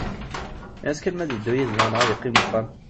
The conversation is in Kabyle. Ini-as kan ma ad iddu id-neɣ neɣ ad iqqim deg uxxam.